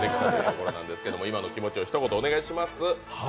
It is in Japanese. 今の気持ちをひと言お願いします。